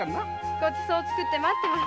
ごちそう作って待ってます。